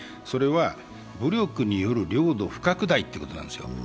それは武力による領土不拡大ということなんですよ。